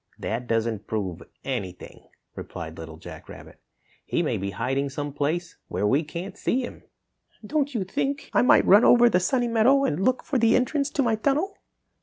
"That doesn't prove anything," replied Little Jack Rabbit. "He may be hiding some place where we can't see him." "Don't you think I might run over the Sunny Meadow and look for the entrance to my tunnel?"